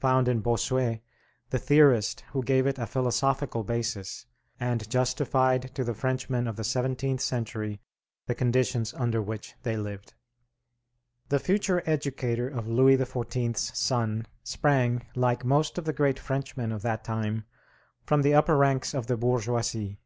found in Bossuet the theorist who gave it a philosophical basis, and justified to the Frenchmen of the seventeenth century the conditions under which they lived. [Illustration: BOSSUET] The future educator of Louis XIV.'s son sprang, like most of the great Frenchmen of that time, from the upper ranks of the bourgeoisie.